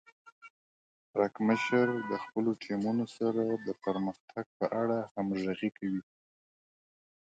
پړکمشر د خپلو ټیمونو سره د پرمختګ په اړه همغږي کوي.